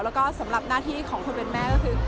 แล้วก็สำหรับหน้าที่ของคนเป็นแม่ก็คือ